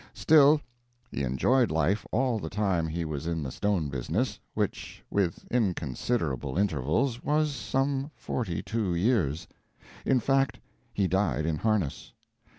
Still, he enjoyed life all the time he was in the stone business, which, with inconsiderable intervals, was some forty two years. In fact, he died in harness.